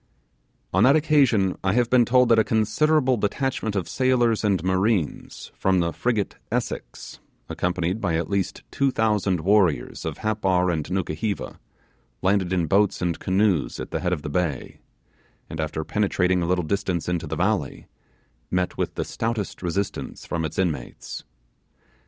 On that occasion I have been told that a considerable detachment of sailors and marines from the frigate Essex, accompanied by at least two thousand warriors of Happar and Nukuheva, landed in boats and canoes at the head of the bay, and after penetrating a little distance into the valley, met with the stoutest resistance from its inmates.